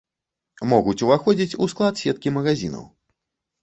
Могуць уваходзіць у склад сеткі магазінаў.